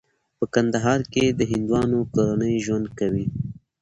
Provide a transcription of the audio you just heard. په کندهار کې د هندوانو کورنۍ ژوند کوي.